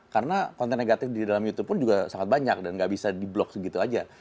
karena konten negatif di dalam youtube pun juga sangat banyak dan tidak bisa di block segitu saja